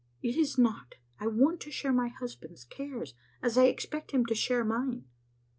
"" It is not. I want to share my husband's cares, as I expect him to share mine."